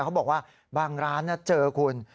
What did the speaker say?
เขาบอกว่าบางร้านเจอคุณ